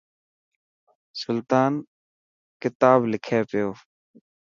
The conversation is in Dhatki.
سلطان ڪتا لکي پيو.